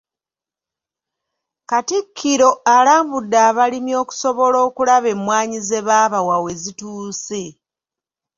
Katikkiro alambudde abalimi okusobola okulaba emmwanyi ze baabawa we zituuse.